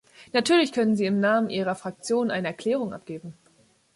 Natürlich können Sie im Namen Ihrer Fraktion eine Erklärung abgeben.